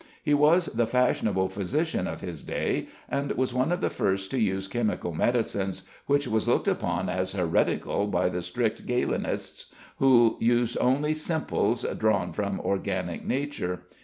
He was the fashionable physician of his day, and was one of the first to use chemical medicines, which was looked upon as heretical by the strict Galenists, who used only "simples," drawn from organic nature.